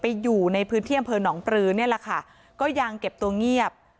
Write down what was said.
อยู่ในพื้นที่อำเภอหนองปลือนี่แหละค่ะก็ยังเก็บตัวเงียบ